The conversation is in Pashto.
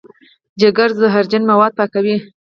جګر زهرجن مواد پاکوي.